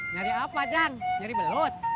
cari apa bang cari belut